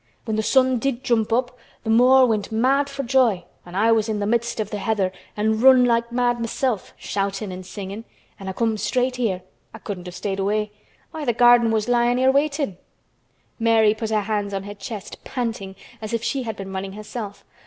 When th' sun did jump up, th' moor went mad for joy, an' I was in the midst of th' heather, an' I run like mad myself, shoutin' an' singin'. An' I come straight here. I couldn't have stayed away. Why, th' garden was lyin' here waitin'!" Mary put her hands on her chest, panting, as if she had been running herself.